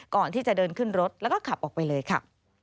ก่อนที่จะเดินขึ้นรถแล้วก็ขับออกไปเลยค่ะ